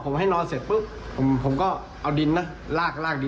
ไม่ทั้งตัว